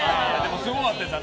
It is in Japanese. すごかったですよ。